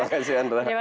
terima kasih andra